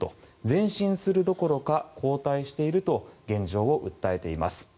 前進するどころか後退していると現状を訴えています。